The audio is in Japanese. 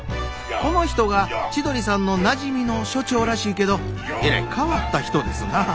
この人が千鳥さんのなじみの所長らしいけどえらい変わった人ですなあ。